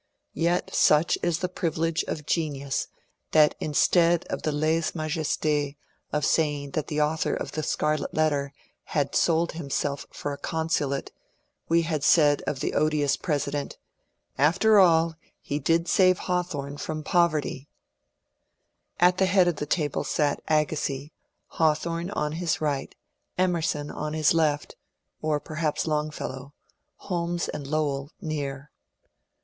Yet such is the privilege of genius 316 MONCURE DANIEL CONWAY that instead of the l^se majest^ of saying the author of *^ The Scarlet Letter " had sold himself for a consulate, we had said of the odious President, *^ After all he did save Hawthorne from poverty I " At the head of the table sat Agassiz, Haw thorne on his right, Emerson on his left, — or perhaps Long fellow, — Holmes and Lowell near.